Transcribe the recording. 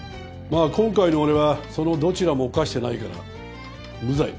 まあ今回の俺はそのどちらも犯してないから無罪。